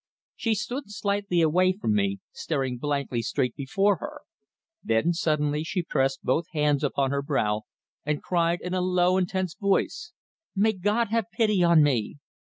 She stood slightly away from me, staring blankly straight before her. Then suddenly she pressed both hands upon her brow and cried in a low, intense voice: "May God have pity on me!"